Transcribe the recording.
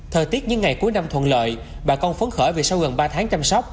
thời tiết những ngày cuối năm thuận lợi bà con phấn khởi vì sau gần ba tháng chăm sóc